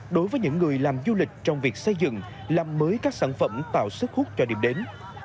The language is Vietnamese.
đối với những người làm du lịch trong việc xây dựng làm mới các sản phẩm tạo sức hút cho điểm đến